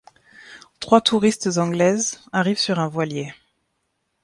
Trois touristes anglaises arrivent sur un voilier.